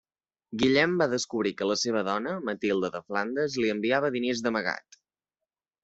Guillem va descobrir que la seva dona, Matilde de Flandes, li enviava diners d'amagat.